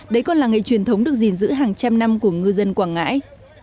đấy còn là nghề truyền thống được gìn giữ hàng trăm năm của ngư dân quảng ngãi